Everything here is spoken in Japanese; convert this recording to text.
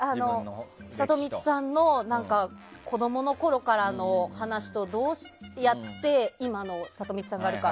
サトミツさんの子供のころからの話とどうやって今のサトミツさんがあるか。